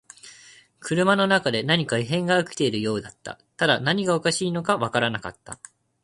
車の中で何か異変が起きているようだった。ただ何がおかしいのかわからなかった。